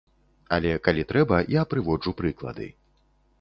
Але калі трэба, я прыводжу прыклады.